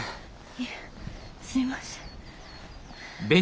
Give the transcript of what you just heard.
いえすいません。